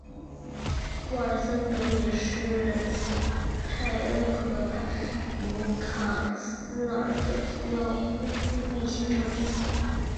沃尔森德也是泰恩河畔纽卡斯尔的主要卫星城之一。